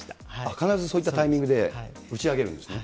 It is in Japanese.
必ずそういったタイミングで打ち上げるんですね。